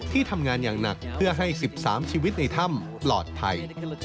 ที่ทำงานอย่างหนักเพื่อให้๑๓ชีวิตในถ้ำปลอดภัย